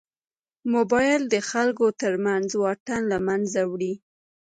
موبایل د خلکو تر منځ واټن له منځه وړي.